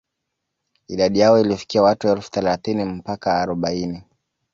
Idadi yao ilifikia watu elfu thelathini mpaka arobaini